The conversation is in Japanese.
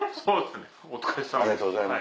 お疲れさまです。